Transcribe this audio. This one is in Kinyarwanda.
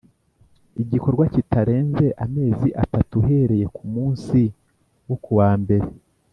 Igikorwa kitarenze amezi atatu uhereye ku munsi wo kuwa mbere